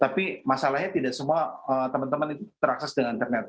tapi masalahnya tidak semua teman teman itu terakses dengan internet